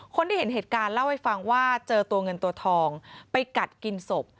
คนที่เห็นเหตุการณ์เล่าให้ฟังว่าเจอตัวเงินตัวทองไปกัดกินศพ